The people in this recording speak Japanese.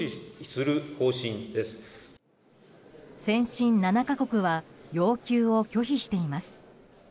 先進７か国は要求を拒否しています。